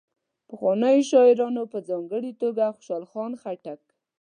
پخوانیو شاعرانو په ځانګړي توګه خوشال خان خټک.